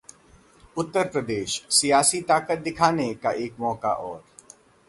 उत्तर प्रदेश-सियासी ताकत दिखाने का एक मौका और